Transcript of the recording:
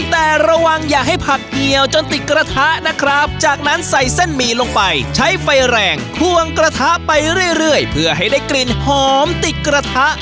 แต่ระวังอย่าให้ผักเหี่ยวจนติดกระทะนะครับจากนั้นใส่เส้นหมี่ลงไปใช้ไฟแรงควงกระทะไปเรื่อยเพื่อให้ได้กลิ่นหอมติดกระทะ